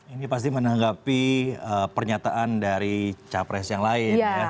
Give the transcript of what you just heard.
ini pasti menanggapi pernyataan dari capres yang lain